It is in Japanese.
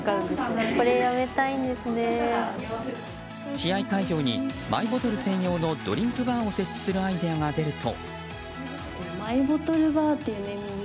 試合会場にマイボトル専用のドリンクバーを設置するアイデアが出ると。